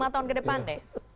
lima tahun ke depan deh